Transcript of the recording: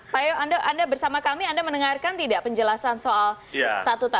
pak yo anda bersama kami anda mendengarkan tidak penjelasan soal statuta